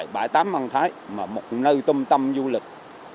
bãi tắm mân thái là một nơi tâm tâm du lịch